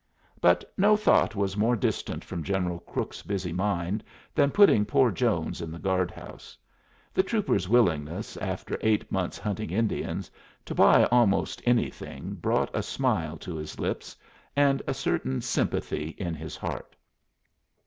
But no thought was more distant from General Crook's busy mind than putting poor Jones in the guard house. The trooper's willingness, after eight months hunting Indians, to buy almost anything brought a smile to his lips, and a certain sympathy in his heart.